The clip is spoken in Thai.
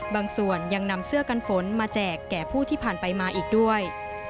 บางส่วนยังนำเสื้อกันฝนมาแจกแก่ผู้ที่ผ่านไปมาอีกด้วย